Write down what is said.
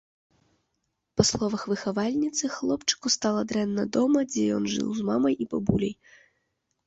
Па словах выхавальніцы, хлопчыку стала дрэнна дома, дзе ён жыў з мамай і бабуляй.